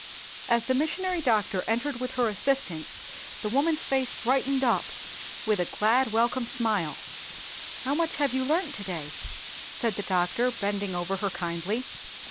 As the Missionary Doctor entered with her assistants the woman's face brightened up with a glad welcome smile. "How much have you learnt to day?" said the doctor bending over her kindly.